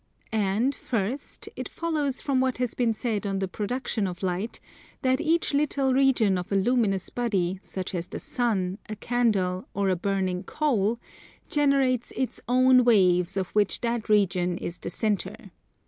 And, first, it follows from what has been said on the production of Light, that each little region of a luminous body, such as the Sun, a candle, or a burning coal, generates its own waves of which that region is the centre.